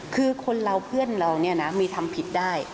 คือคนเราเพื่อนเรามีทำผิดได้